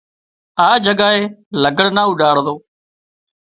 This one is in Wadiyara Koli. آ جڳائي لگھڙ نا اوڏاڙو